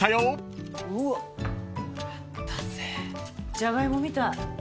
ジャガイモみたい。